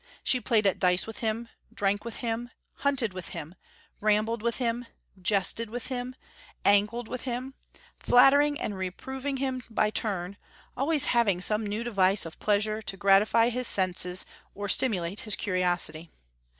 She played at dice with him, drank with him, hunted with him, rambled with him, jested with him, angled with him, flattering and reproving him by turn, always having some new device of pleasure to gratify his senses or stimulate his curiosity.